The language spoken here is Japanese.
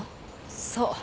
そう。